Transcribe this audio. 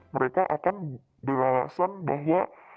mereka akan berhasil bahwa